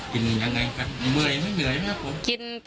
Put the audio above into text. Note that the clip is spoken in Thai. กินยังไงครับเหนื่อยนะครับผม